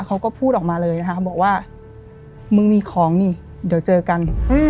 เขาก็พูดออกมาเลยนะคะเขาบอกว่ามึงมีของนี่เดี๋ยวเจอกัน